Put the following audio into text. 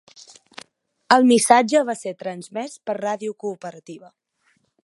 El missatge va ser transmès per Ràdio Cooperativa.